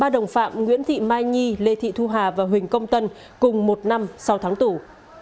ba đồng phạm nguyễn thị mai nhi lê thị thu hà và huỳnh công tân cùng một năm sau tháng tù